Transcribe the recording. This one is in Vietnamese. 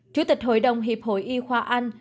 chủ tịch hội đồng hiệp hội y khoa anh